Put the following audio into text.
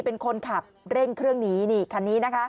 เป็นคนขับเร่งเครื่องหนี